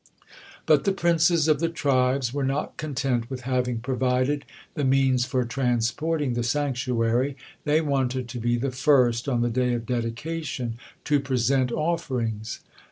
But the princes of the tribes were not content with having provided the means for transporting the sanctuary, they wanted to be the first, on the day of dedication, to present offerings.